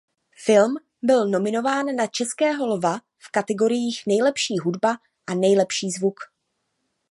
Film byl nominován na Českého lva v kategoriích nejlepší hudba a nejlepší zvuk.